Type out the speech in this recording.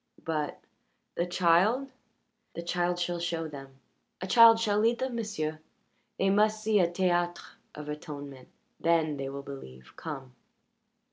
"But the child?" "The child shall show them a child shall lead them, m'sieu'. They must see a théâtre of atonement then they will believe. Come."